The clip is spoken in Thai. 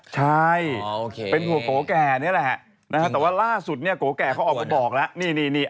ใช่เป็นถั่วก๋แก่เนี่ยแหละแต่ว่าล่าสุดเนี่ยก๋แก่เค้าออกมาบอกแล้วนี่อันนี้